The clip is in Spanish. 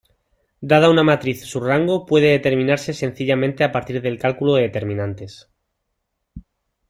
Dada una matriz su rango puede determinarse sencillamente a partir del cálculo de determinantes.